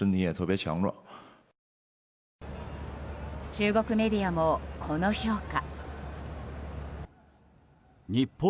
中国メディアも、この評価。